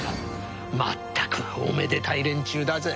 まったくおめでたい連中だぜ。